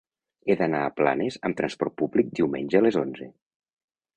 He d'anar a Planes amb transport públic diumenge a les onze.